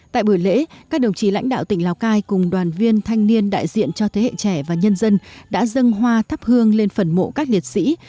tại buổi lễ các đồng chí lãnh đạo tỉnh lào cai cùng đoàn viên thanh niên đại diện cho thế hệ trẻ và nhân dân đã dâng hoa thắp hương lên phần mộ các liệt sĩ